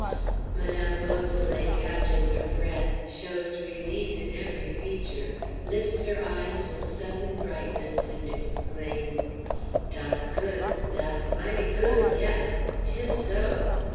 Madame Beausoleil catches her breath, shows relief in every feature, lifts her eyes with sudden brightness, and exclaims: "Dass good! Dass mighty good, yass! 'Tis so."